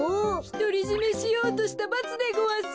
ひとりじめしようとしたばつでごわす。